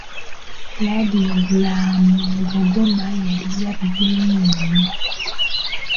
Ladiyogulamu lugogoma yali ya bbeeyi nnyo.